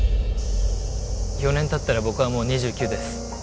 ４年たったら僕はもう２９です